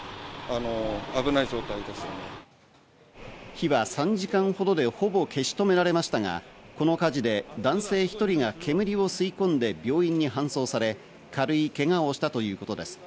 火は３時間ほどでほぼ消し止められましたがこの火事で男性１人が煙を吸い込んで病院に搬送され、軽いけがをしたということです。